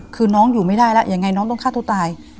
คือน้องอยู่ไม่ได้แล้วยังไงน้องต้องฆ่าตัวตาย